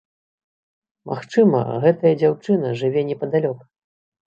Магчыма, гэтая дзяўчына жыве непадалёк.